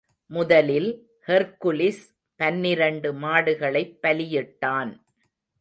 முதலில் ஹெர்க்குலிஸ் பன்னிரண்டு மாடுகளைப் பலியிட்டான்.